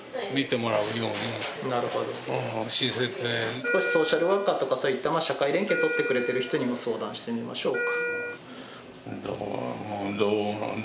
少しソーシャルワーカーとかそういった社会連携とってくれてる人にも相談してみましょうか。